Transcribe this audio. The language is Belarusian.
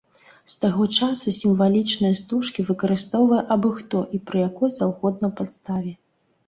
З таго часу сімвалічныя стужкі выкарыстоўвае абы-хто і пры якой заўгодна падставе.